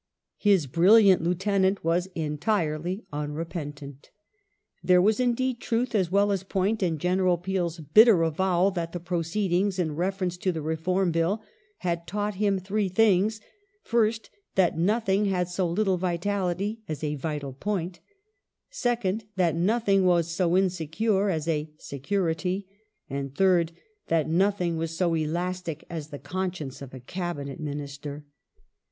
Disraeli's His brilliant lieutenant was entirely unrepentant. There was indeed truth as well as point in General Peel's bitter avowal that the proceedings in reference to the Reform Bill *' had taught him three things — fii^st, that nothing had so little vitality as a * vital point'; second, that nothing was so insecure as a 'security,' and third, that nothing was so elastic as the conscience of a Cabinet Minister